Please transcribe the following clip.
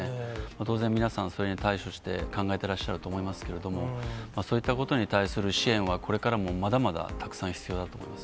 当然皆さん、それに対処して考えてらっしゃると思いますけれども、そういったことに対する支援はこれからもまだまだ、たくさん必要だと思います。